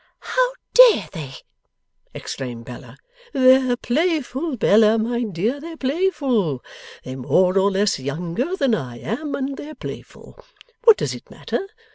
'How dare they!' exclaimed Bella. 'They're playful, Bella my dear; they're playful. They're more or less younger than I am, and they're playful. What does it matter?